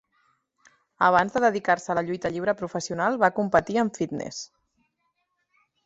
Abans de dedicar-se a la lluita lliure professional va competir en fitness.